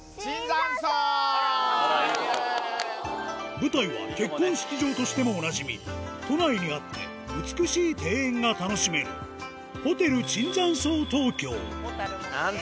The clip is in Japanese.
舞台は結婚式場としてもおなじみ都内にあって美しい庭園が楽しめるいや